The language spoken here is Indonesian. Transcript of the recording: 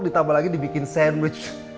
ditambah lagi dibikin sandwich